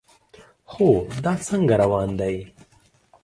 هو، دا څنګه روان دی؟